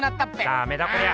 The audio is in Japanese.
ダメだこりゃ。